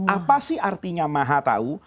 apa sih artinya maha tahu